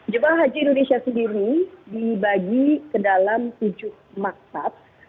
jemaah haji indonesia sendiri dibagi ke dalam tujuh maktab